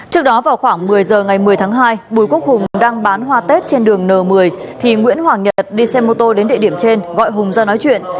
trước đó vào khoảng một mươi giờ ngày một mươi tháng hai bùi quốc hùng đang bán hoa tết trên đường n một mươi thì nguyễn hoàng nhật đi xe mô tô đến địa điểm trên gọi hùng ra nói chuyện